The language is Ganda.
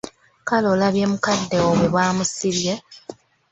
Kale olabye mukadde wo bwe baamusibye!